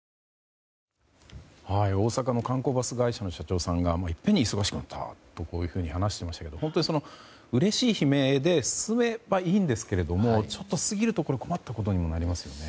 大阪の観光バス会社の社長さんがいっぺんに忙しくなったと話していましたけど本当に、うれしい悲鳴で済めばいいんですけどちょっと過ぎると困ったことになりますよね。